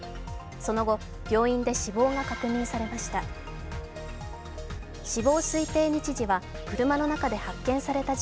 その後、病院で死亡が確認されました。